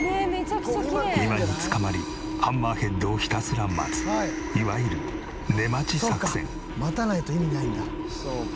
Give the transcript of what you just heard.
岩につかまりハンマーヘッドをひたすら待ついわゆる「待たないと意味ないんだ」